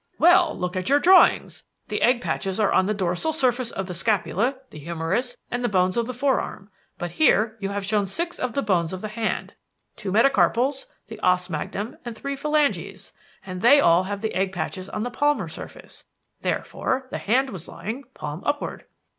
"Well, look at your drawings. The egg patches are on the dorsal surface of the scapula, the humerus, and the bones of the fore arm. But here you have shown six of the bones of the hand: two metacarpals, the os magnum, and three phalanges; and they all have egg patches on the palmar surface. Therefore the hand was lying palm upward."